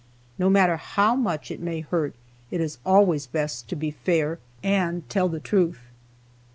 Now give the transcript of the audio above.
No matter how much it may hurt, it is always best to be fair, and tell the truth.